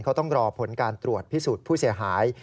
เขาต้องรอผลการตรวจพิสูจน์ผู้เสียหาย